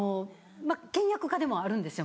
倹約家でもあるんですよ